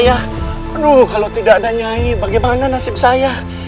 aduh kalau tidak ada nyai bagaimana nasib saya